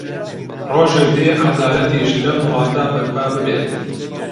ڕۆژێک دێت عەدالەتیش لەم وڵاتە بەرپا ببێت.